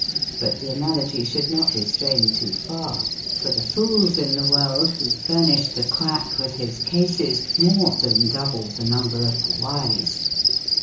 But the analogy should not be strained too far ; for the fools in the world (who furnish the quack with his cases) more than double the number of the wise. A VERY BAD CASE.